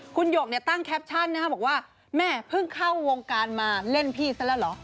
คุณหยกเนี่ยตั้งแคปชั่นนะครับบอกว่าแม่เพิ่งเข้าวงการมาเล่นพี่ซะแล้วเหรอ